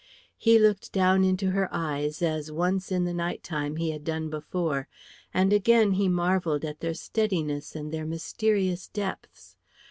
He looked down into her eyes as once in the night time he had done before; and again he marvelled at their steadiness and their mysterious depths.